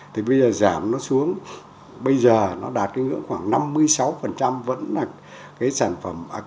thì bây giờ giảm nó xuống bây giờ nó đạt cái ngưỡng khoảng năm mươi sáu vẫn là cái sản phẩm